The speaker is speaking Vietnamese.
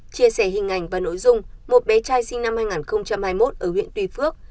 chia sẻ hình ảnh và nội dung một bé trai sinh năm hai nghìn hai mươi một ở huyện tuy phước